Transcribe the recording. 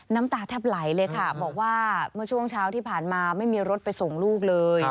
น้ำตาแทบไหลเลยค่ะบอกว่าเมื่อช่วงเช้าที่ผ่านมาไม่มีรถไปส่งลูกเลย